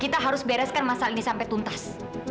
kita harus bereskan masalah ini sampai tuntas